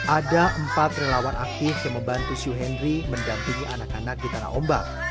ada empat relawan aktif yang membantu syuhendri mendampingi anak anak di tanah ombak